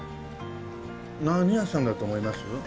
何屋さんだと思います？